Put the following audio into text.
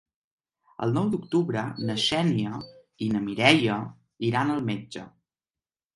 El nou d'octubre na Xènia i na Mireia iran al metge.